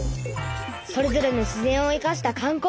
それぞれの自然をいかした観光。